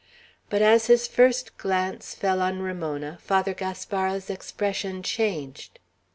But, as his first glance fell on Ramona, Father Gaspara's expression changed.